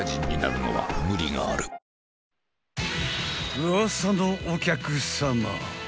「ウワサのお客さま」。